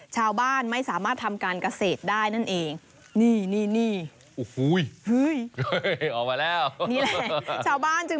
ชาวบ้านไม่สามารถทำการเกษตรได้นั่นเอง